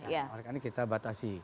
nah oleh karena kita batasi